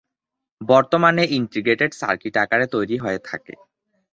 বর্তমানে integrated circuit আকারে তৈরি হয়ে থাকে।